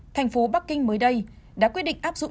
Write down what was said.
thành phố bắc kinh mới đây đã quyết định áp dụng